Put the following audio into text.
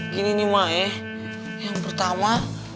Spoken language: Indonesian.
gini nih ma ya yang pertama